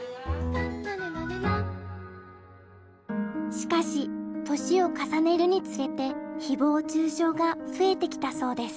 しかし年を重ねるにつれてひぼう中傷が増えてきたそうです。